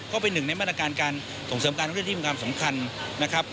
ก็เป็นหนึ่งในมาตรการการส่งเสริมการท่องเที่ยวที่มีความสำคัญนะครับ